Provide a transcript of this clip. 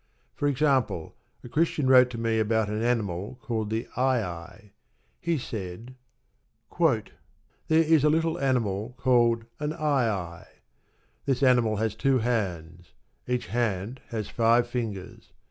For example, a Christian wrote to me about an animal called the aye aye. He said: There is a little animal called an aye aye. This animal has two hands. Each hand has five fingers.